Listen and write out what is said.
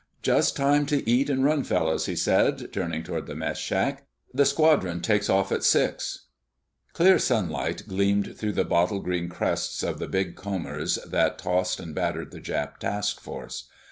"Just time to eat and run, fellows," he said, turning toward the mess shack. "The squadron takes off at six." Clear sunlight gleamed through the bottle green crests of the big combers that tossed and battered the Jap task force.